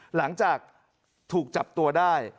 หลังจากถูกจับตัวได้